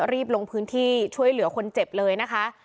รีบลงพื้นที่ช่วยเหลือคนเจ็บเลยนะคะ